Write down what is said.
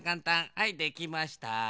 はいできました。